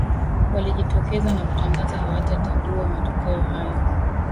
walijitokeza na kutangaza hawatatagua matokeo hayo